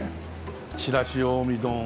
ちらし近江丼。